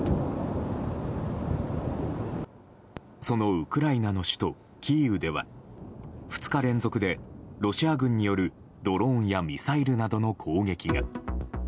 そのウクライナの首都キーウでは２日連続でロシア軍によるドローンやミサイルなどの攻撃が。